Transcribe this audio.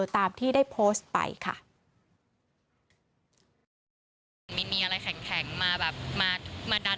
ตามที่ได้โพสต์ไปค่ะ